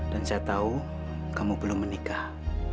dan saya tahu kamu belum menikah